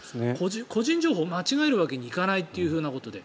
個人情報を間違えるわけにはいかないということで。